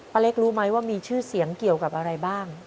เล็กรู้ไหมว่ามีชื่อเสียงเกี่ยวกับอะไรบ้าง